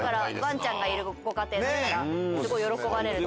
わんちゃんがいるご家庭すごい喜ばれる。